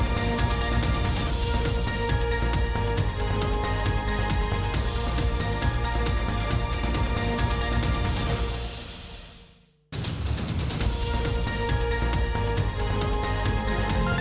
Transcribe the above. โปรดติดตามตอนต่อไป